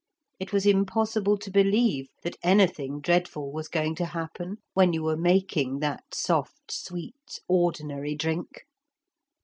It was impossible to believe that anything dreadful was going to happen when you were making that soft, sweet, ordinary drink.